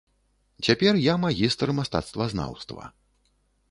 Цяпер я магістр мастацтвазнаўства.